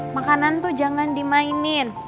makanan tuh jangan dimainin